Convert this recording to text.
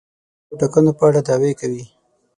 د ژوند او ټاکنو په اړه دعوې کوي.